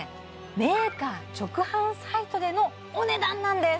メーカー直販サイトでのお値段なんです！